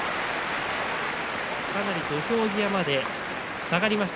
かなり土俵際まで下がりました。